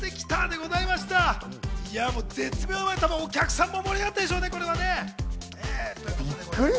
絶妙なことで、お客さんも盛り上がったでしょうね。